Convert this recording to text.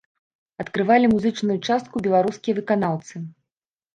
Адкрывалі музычную частку беларускія выканаўцы.